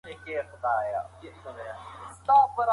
رانجه تاريخي ريښې لري.